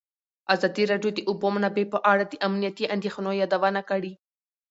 ازادي راډیو د د اوبو منابع په اړه د امنیتي اندېښنو یادونه کړې.